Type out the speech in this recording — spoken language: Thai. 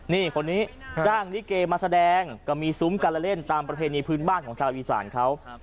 นี่คนนี้จ้างลิเกมาแสดงก็มีซุ้มการเล่นตามประเพณีพื้นบ้านของชาวอีสานเขา